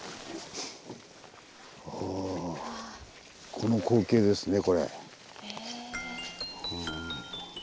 この光景ですねこれ。